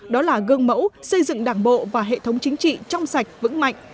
đó là gương mẫu xây dựng đảng bộ và hệ thống chính trị trong sạch vững mạnh